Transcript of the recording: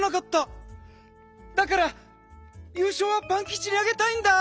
だからゆうしょうはパンキチにあげたいんだ！